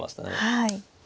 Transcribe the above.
はい。